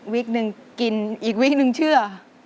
หนึ่งกินอีกวิกหนึ่งเชื่อ